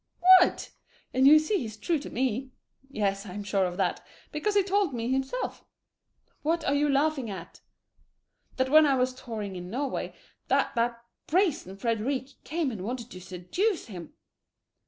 What? And you see he's true to me. Yes, I'm sure of that, because he told me himself what are you laughing at? that when I was touring in Norway that that brazen Frêdêrique came and wanted to seduce him!